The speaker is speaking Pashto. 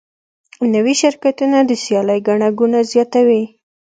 نوي شرکتونه د سیالۍ ګڼه ګوڼه زیاتوي.